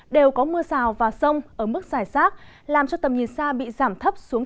đều có mưa sào và sông ở mức dài sát làm cho tầm nhìn xa bị giảm thấp xuống